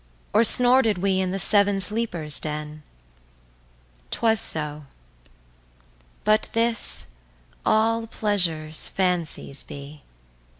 Or snorted we in the seaven sleepers den? T'was so; But this, all pleasures fancies bee.